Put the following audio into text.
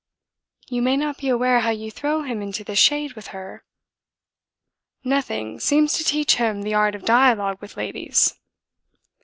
"You may not be aware how you throw him into the shade with her." "Nothing seems to teach him the art of dialogue with ladies."